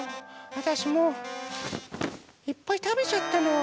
あたしもういっぱいたべちゃったの。